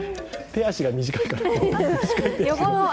手足が短いから。